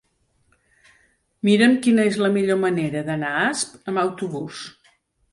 Mira'm quina és la millor manera d'anar a Asp amb autobús.